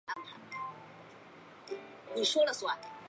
在他入党的时候并没有什么编号和证件。